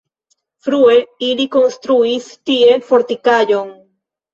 Frue ili konstruis tie fortikaĵon.